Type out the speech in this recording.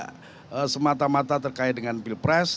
tidak semata mata terkait dengan pilpres